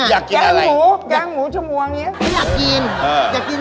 อยากกินซุกี้